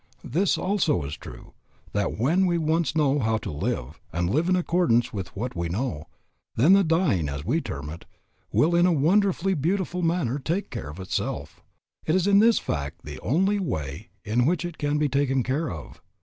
This also is true, that when we once know how to live, and live in accordance with what we know, then the dying, as we term it, will in a wonderfully beautiful manner take care of itself. It is in fact the only way in which it can be taken care of.